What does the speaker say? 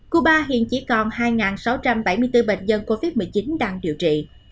cuba hiện chỉ còn hai sáu trăm bảy mươi bốn bệnh nhân covid một mươi chín đang điều trị